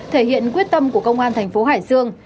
thể hiện quyết tâm của công an thành phố hải dương